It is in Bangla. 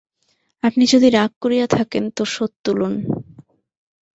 আপনি যদি রাগ করিয়া থাকেন তো শোধ তুলুন।